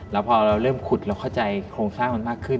แล้วพอเราเริ่มขุดเราเข้าใจโครงสร้างมันมากขึ้น